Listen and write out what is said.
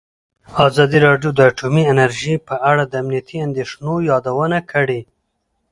ازادي راډیو د اټومي انرژي په اړه د امنیتي اندېښنو یادونه کړې.